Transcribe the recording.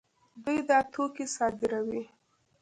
دوی دا توکي صادروي.